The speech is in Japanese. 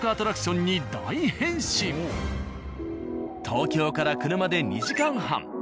東京から車で２時間半。